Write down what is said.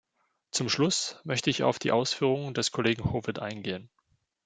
Zum Schluss möchte ich auf die Ausführungen des Kollegen Howitt eingehen.